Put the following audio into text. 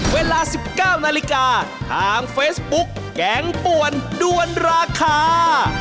เวลา๑๙นาฬิกาทางเฟซบุ๊กแกงป่วนด้วนราคา